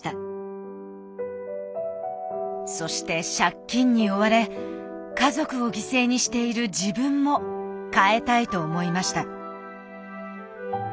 そして借金に追われ家族を犠牲にしている自分も変えたいと思いました。